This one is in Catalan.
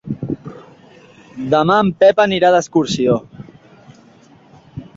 Demà en Pep anirà d'excursió.